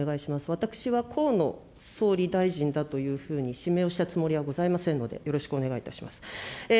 私は河野総理大臣だというふうに指名をしたつもりはございませんので、よろしくお願いいたします。